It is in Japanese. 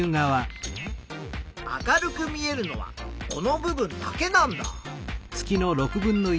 明るく見えるのはこの部分だけなんだ。